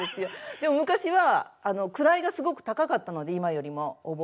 でも昔は位がすごく高かったので今よりもお坊さんの位が。